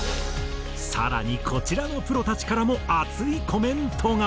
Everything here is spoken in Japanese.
更にこちらのプロたちからも熱いコメントが。